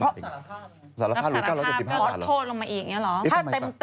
รับสารภาพก็ลดโทษลงมาอีกเนี่ยเหรอ